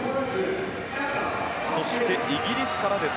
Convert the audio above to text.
そしてイギリスからです。